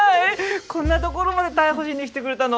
こんなところまで逮捕しに来てくれたの？